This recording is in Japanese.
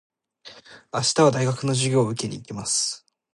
明日は大学の授業を受けに行きます。